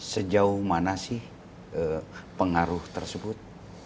sejauh mana sih pengaruh tersebut